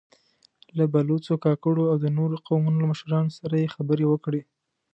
له بلوڅو، کاکړو او د نورو قومونو له مشرانو سره يې خبرې وکړې.